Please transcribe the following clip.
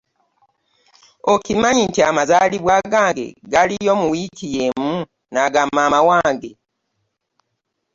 Okimanyi nti amazalibwa gange gaaliyo mu wiiki yemu n'aga maama wange.